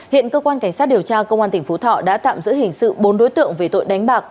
hiện cơ quan cảnh sát điều tra công an tỉnh phú thọ đã tạm giữ hình sự bốn đối tượng về tội đánh bạc